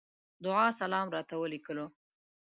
دعا وسلام راته وليکلو.